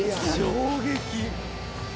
衝撃。